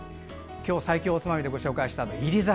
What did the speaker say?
今日、最強おつまみでご紹介した煎り酒。